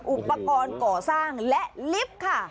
อุปกรณ์ก่อสร้างและลิฟต์ค่ะ